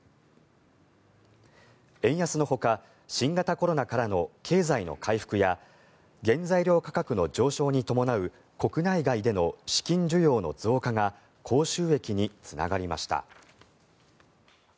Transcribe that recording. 円安のほか新型コロナからの経済の回復や原材料価格の上昇に伴う国内外での資金需要の増加が高収益につながりました。